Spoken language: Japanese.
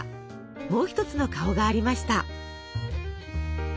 もう一つの顔がありました。